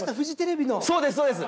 そうですそうです！